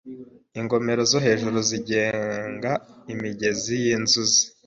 ingomero zo hejuru zigenga imigezi yinzuzi.